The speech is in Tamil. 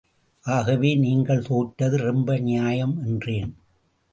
ஆகவே நீங்கள் தோற்றது ரொம்ப நியாயம் என்றேன்.